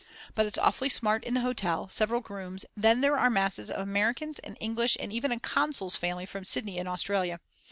But it's awfully smart in the hotel, several grooms; then there are masses of Americans and English and even a consul's family from Sydney in Australia.